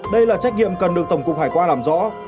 đây là trách nhiệm cần được tổng cục hải quan làm rõ